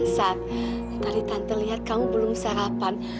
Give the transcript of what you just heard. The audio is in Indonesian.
saat tadi tante lihat kamu belum sarapan